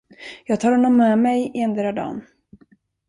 Jag tar honom med mig endera dan.